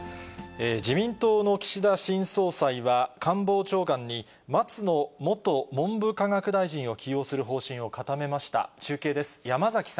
自民党の岸田新総裁は、官房長官に、松野元文部科学大臣を起用する方針を固めました。